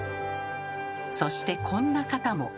そしてこんな方も。